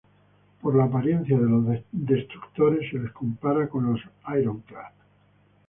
Por la apariencia de los destructores se les compara con los Ironclad.